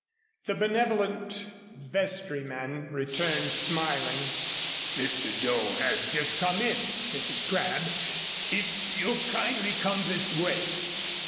The benevolent vestryman returned smiling. "Mr. Doe has just come in, Mrs. Crabb. If you'll kindly come this way."